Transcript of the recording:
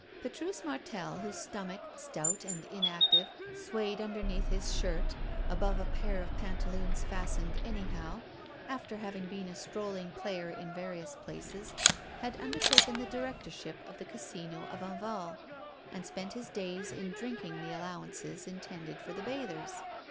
Petrus Martel, whose stomach, stout and inactive, swayed underneath his shirt above a pair of pantaloons fastened anyhow, after having been a strolling player in various places, had undertaken the directorship of the Casino of Enval, and spent his days in drinking the allowances intended for the bathers.